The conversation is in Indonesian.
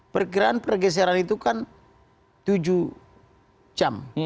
perkiraan pergeseran itu kan tujuh jam